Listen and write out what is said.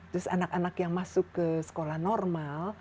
terus anak anak yang masuk ke sekolah normal